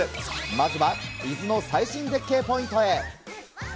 まずは伊豆の最新絶景ポイントへ。